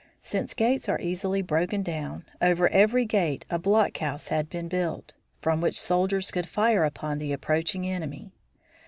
Since gates are easily broken down, over every gate a block house had been built, from which soldiers could fire upon the approaching enemy.